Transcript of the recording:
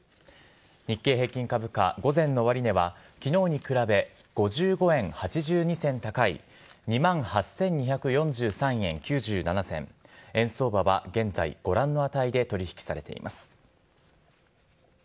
日経平均株価、午前の終値はきのうに比べ５５円８２銭高い、２万８２４３円９７銭、円相場は現在、ご覧の値で取り引きされています。